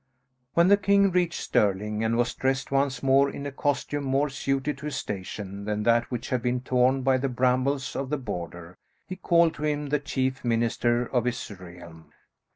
When the king reached Stirling, and was dressed once more in a costume more suited to his station than that which had been torn by the brambles of the Border, he called to him the chief minister of his realm.